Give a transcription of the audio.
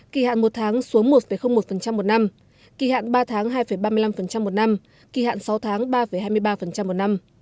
kỳ hạn một tháng xuống một một năm kỳ hạn ba tháng hai ba mươi năm một năm kỳ hạn sáu tháng ba hai mươi ba một năm